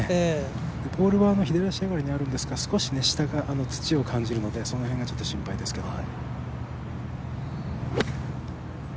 左足上がりになっているんですが、少し下から土を感じるので、そこら辺がちょっと心配ですけど。